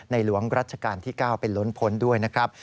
หลวงรัชกาลที่๙เป็นล้นพ้นด้วยนะครับ